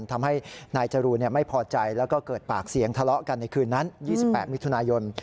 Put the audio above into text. ทำให้นายจรูนไม่พอใจแล้วก็เกิดปากเสียงทะเลาะกันในคืนนั้น๒๘มิถุนายน